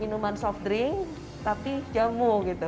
minuman soft drink tapi jamu gitu